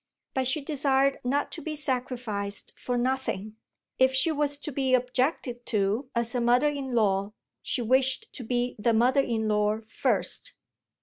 But she desired not to be sacrificed for nothing: if she was to be objected to as a mother in law she wished to be the mother in law first.